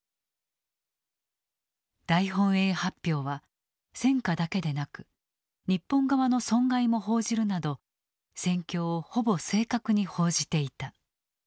大本営発表は戦果だけでなく日本側の損害も報じるなど戦況をほぼ正確に報じていた。